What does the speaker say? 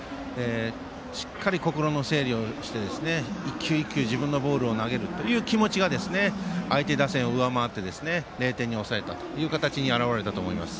しっかり心の整理をして１球１球、自分のボールを投げるという気持ちが相手打線を上回って０点に抑えたという形に表れたと思います。